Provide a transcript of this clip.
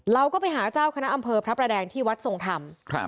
เราก็ไปหาเจ้าคณะอำเภอพระประแดงที่วัดทรงธรรม